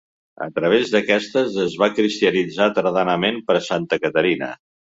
A través d'aquestes, es va cristianitzar tardanament per Santa Caterina.